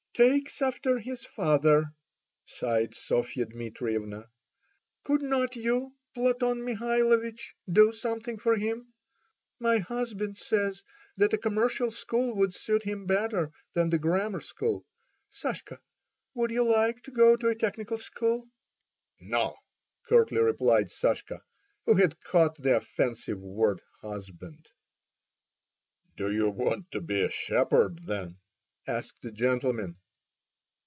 "Takes after his father!" sighed Sofia Dmitrievna. "Could not you, Plutov Michailovich, do something for him? My husband says that a commercial school would suit him better than the grammar school. Sashka, would you like to go to a technical school?" "No!" curtly replied Sashka, who had caught the offensive word "husband." "Do you want to be a shepherd, then?" asked the gentleman.